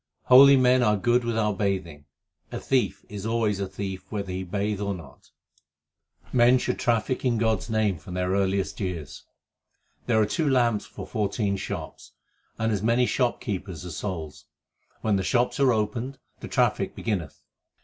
Holy men are good without bathing ; a thief is always a thief whether he bathe or not. Men should traffic in God s name from their earliest years : There are two lamps for fourteen shops, 2 And as many shopkeepers as souls : When the shops are opened, the traffic beginneth.